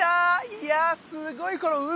いやすごいこの海。